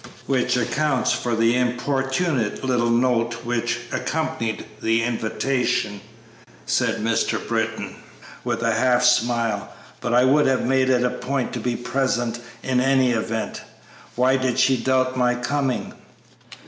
"Which accounts for the importunate little note which accompanied the invitation," said Mr. Britton, with a half smile; "but I would have made it a point to be present in any event; why did she doubt my coming?"